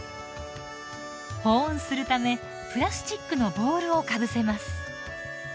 保温するためプラスチックのボウルをかぶせます。